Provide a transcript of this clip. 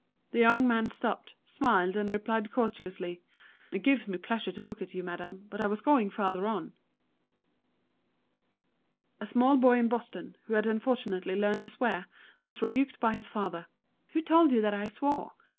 The young man stopped, smiled, and replied courteously, 'It gives me pleasure to look at you, madam, but I was going farther on.'" A small boy in Boston, who had unfortunately learned to swear, was rebuked by his father. "Who told you that I swore?"